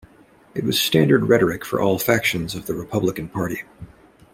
It was standard rhetoric for all factions of the Republican party.